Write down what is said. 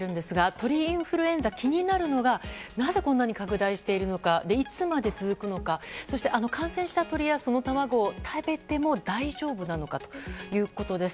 鳥インフルエンザ、気になるのがなぜこんなに拡大しているのかいつまで続くのかそして、感染した鶏やその卵を食べても大丈夫なのかです。